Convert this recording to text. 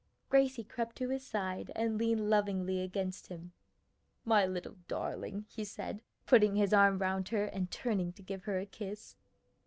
Gracie crept to his side and leaned lovingly against him. "My little darling," he said, putting his arm round her and turning to give her a kiss.